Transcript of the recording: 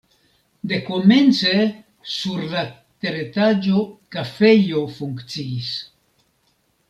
Dekomence sur la teretaĝo kafejo funkciis.